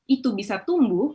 itu bisa tumbuh